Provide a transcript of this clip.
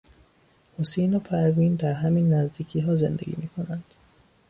حسین و پروین در همین نزدیکیها زندگی میکنند.